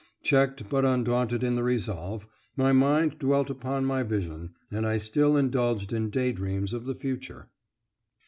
Checked, but undaunted in the resolve, my mind dwelt upon my vision, and I still indulged in day dreams of the future.